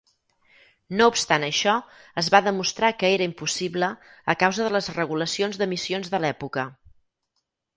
No obstant això, es va demostrar que era impossible a causa de les regulacions d'emissions de l'època.